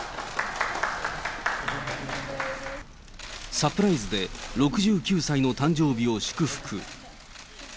サプライズで６９歳の誕生日を祝福。